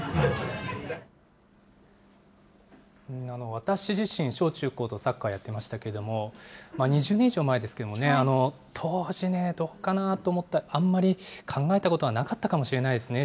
私自身、小中高とサッカーやってましたけども、２０年以上前ですけれどもね、当時ね、どうかなと思った、あんまり考えたことはなかったかもしれないですね。